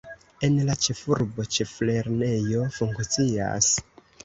En la ĉefurbo ĉeflernejo funkcias.